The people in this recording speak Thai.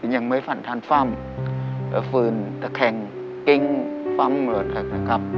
ยังไม่ฝันทันฟัมมาฟื้นนี่แสะแคนเอามาปรั้ง